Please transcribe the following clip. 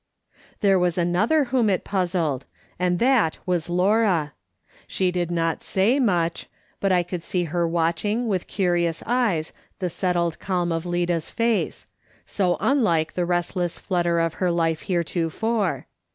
There was another whom it puzzled, and that was Laura. She did not say much, but I could see her watching, with curious eyes, the settled calm of Lida's face — so unlike the restless flutter of her life heretofore.